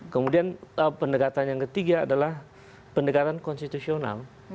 kemudian pendekatan yang ketiga adalah pendekatan konstitusional